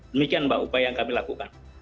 demikian mbak upaya yang kami lakukan